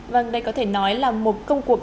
vâng đây có thể nói là một công cuộc